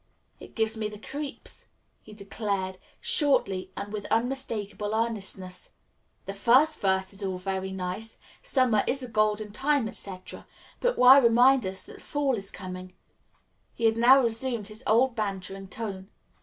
"It gives me the creeps," he declared shortly and with unmistakable earnestness. "The first verse is all very nice. Summer is a golden time, etc. But why remind us that fall is coming?" He had now resumed his old, bantering tone.